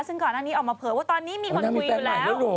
ซึ่งก่อนหน้านี้ออกมาเผยว่าตอนนี้มีคนคุยอยู่แล้ว